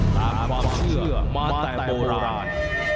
ตามความเชื่อมาแต่โบราณ